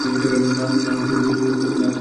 না, তুমি ছিলে।